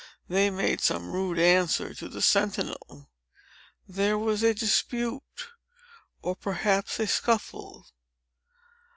They made some rude answer to the sentinel. There was a dispute, or, perhaps a scuffle.